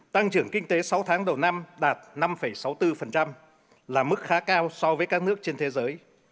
tăng trưởng kinh tế sáu tháng đầu năm đạt năm sáu mươi bốn là mức khá cao so với các nước trên thế giới